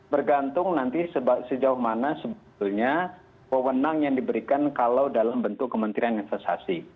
bergantung nanti sejauh mana sebetulnya pemenang yang diberikan kalau dalam bentuk kementerian investasi